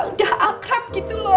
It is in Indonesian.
udah akrab gitu lho